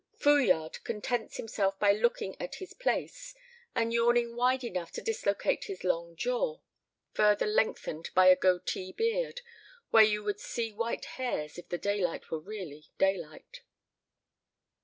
Fouillade contents himself by looking at his place, and yawning wide enough to dislocate his long jaw, further lengthened by a goatee beard where you would see white hairs if the daylight were really daylight.